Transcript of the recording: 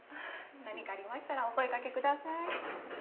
何かありましたらお声かけください。